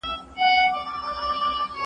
ولي محنتي ځوان د لوستي کس په پرتله ښه ځلېږي؟